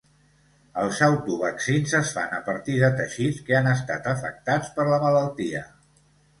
Els autovaccins es fan a partir de teixits que han estat afectats per la malaltia.